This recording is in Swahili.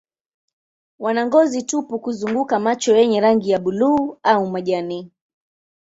Wana ngozi tupu kuzunguka macho yenye rangi ya buluu au majani.